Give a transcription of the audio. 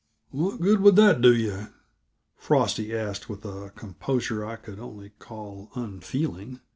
"What good would that do yuh?" Frosty asked, with a composure I could only call unfeeling.